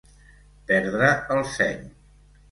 Perdre el seny.